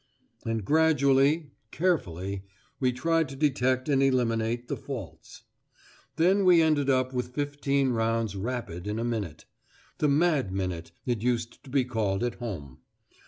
And gradually, carefully, we tried to detect and eliminate the faults. Then we ended up with fifteen rounds rapid in a minute. The "mad minute" it used to be called at home.